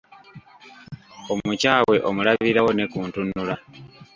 Omukyawe omulabirawo ne ku ntunula.